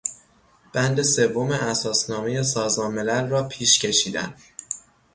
بند سوم اساسنامهی سازمان ملل را پیش کشیدن